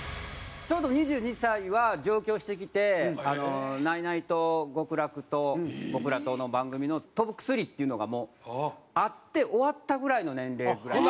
ちょうど２２歳は上京してきてナイナイと極楽と僕らとの番組の『とぶくすり』っていうのがもうあって終わったぐらいの年齢ぐらい。